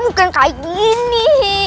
bukan kayak gini